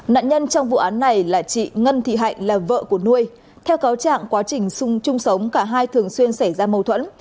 nạn nhân trong vụ án này là chị ngân thị hạnh là vợ của nuôi theo cáo trạng quá trình sung chung sống cả hai thường xuyên xảy ra mâu thuẫn